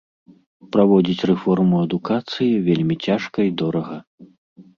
Праводзіць рэформу адукацыі вельмі цяжка і дорага.